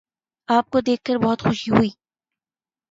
آپ کو دیکھ کر بہت خوشی ہوئی